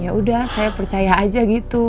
ya udah saya percaya aja gitu